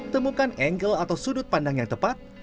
temukan angle atau sudut pandang yang tepat